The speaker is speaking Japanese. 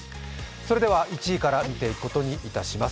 それでは１位から見ていくことにいたします。